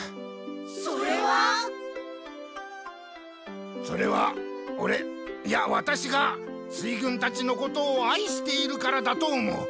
それは？それはオレいやワタシが水軍たちのことをあいしているからだと思う。